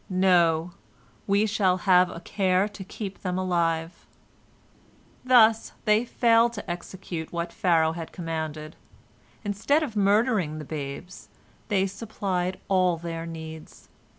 No, we shall have a care to keep them alive." Thus they failed to execute what Pharaoh had commanded. Instead of murdering the babes, they supplied all their needs.